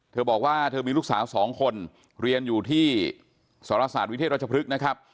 เธอบอกว่าเธอมีลูกสาว๒คนเรียนอยู่ที่สรศาสตวิเทศรัชพฤกษ์นะครับ